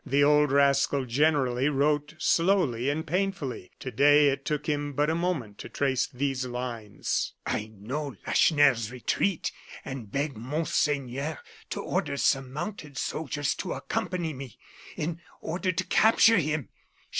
The old rascal generally wrote slowly and painfully; to day it took him but a moment to trace these lines: "I know Lacheneur's retreat, and beg monseigneur to order some mounted soldiers to accompany me, in order to capture him.